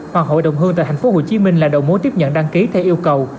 hoặc hội đồng hương tại tp hcm là đầu mối tiếp nhận đăng ký theo yêu cầu